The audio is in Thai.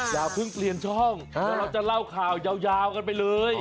อย่าเพิ่งเปลี่ยนช่องเดี๋ยวเราจะเล่าข่าวยาวกันไปเลย